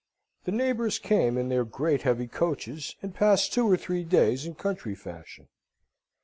The neighbours came in their great heavy coaches, and passed two or three days in country fashion.